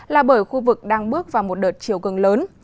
là bởi khu vực đang bước vào một đợt chiều cường lớn